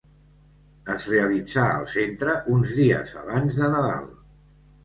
Es realitza al Centre uns dies abans de Nadal.